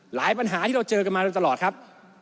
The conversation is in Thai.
หลายปัญหาที่เราเจอกันมาตลอดครับ